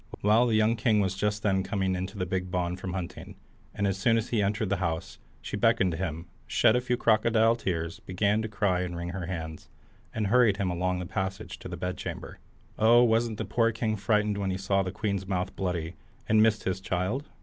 Well, the young king was just then coming into the big bawn from hunting, and as soon as he entered the house, she beckoned to him, shed a few crocodile tears, began to cry and wring her hands, and hurried him along the passage to the bedchamber. Oh, wasn't the poor king frightened when he saw the queen's mouth bloody, and missed his child?